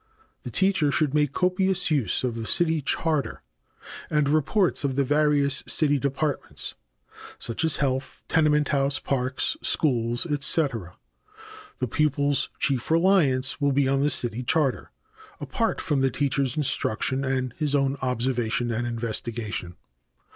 The teacher should make copious use of the city charter and reports of the various city departments, such as health, tenement house, parks, schools, etc. The pupil's chief reliance will be on the city charter apart from the teacher's instruction and his own observation and investigation.